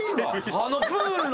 あのプールの。